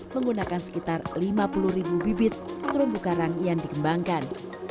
menggunakan sekitar lima puluh ribu bibit terumbu karang yang dikembangkan